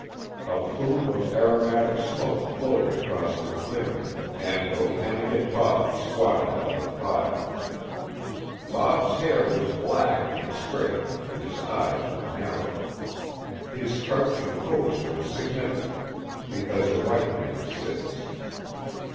A plume of aromatic smoke floated across the clearing and Okanagan Bob squatted by the fire. Bob's hair was black and straight and his eyes were narrow. His crouching pose was significant, because a white man sits.